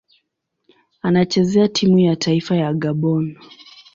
Anachezea timu ya taifa ya Gabon.